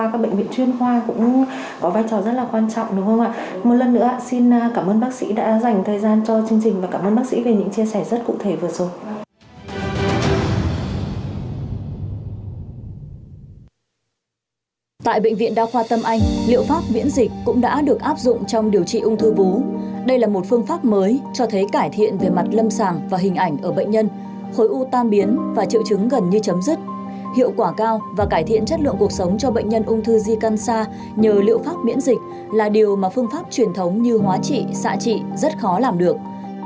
các bệnh viện đa khoa tâm anh sẽ giúp quý vị và các bạn hiểu rõ hơn về các phương pháp tầm soát phát hiện sớm ung thư vú giúp cho việc điều trị hiệu quả cao và cải thiện chất lượng cuộc sống cho bệnh nhân ung thư di căn xa nhờ liệu pháp miễn dịch là điều mà phương pháp truyền thống như hóa trị xạ trị rất khó làm được